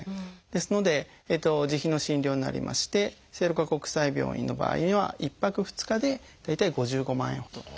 ですので自費の診療になりまして聖路加国際病院の場合には１泊２日で大体５５万円ほどというふうになってます。